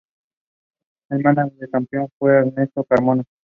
El mánager campeón fue Ernesto Carmona.